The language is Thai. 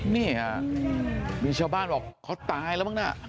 นี่บินชาวบ้านบอกเขาตายแล้วมึงนะ